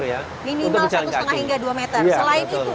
minimal satu setengah hingga dua meter